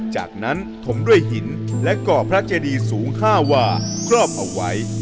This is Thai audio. จากนั้นถมด้วยหินและก่อพระเจดีสูง๕วาครอบเอาไว้